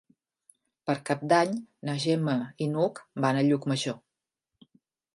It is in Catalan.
Per Cap d'Any na Gemma i n'Hug van a Llucmajor.